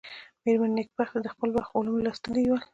مېرمن نېکبختي د خپل وخت علوم لوستلي ول.